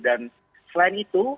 dan selain itu